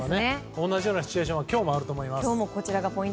同じようなシチュエーションは今日もあると思います。